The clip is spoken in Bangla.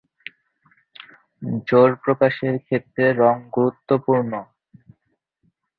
জোর প্রকাশের ক্ষেত্রে রং গুরুত্বপূর্ণ।